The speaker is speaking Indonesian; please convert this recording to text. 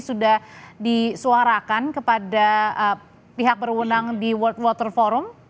sudah disuarakan kepada pihak berwenang di world water forum